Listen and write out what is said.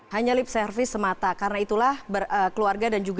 hanya lip service semata karena itulah keluarga dan juga